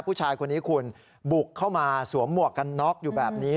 ผู้ชายคนนี้คุณบุกเข้ามาสวมหมวกกันน็อกอยู่แบบนี้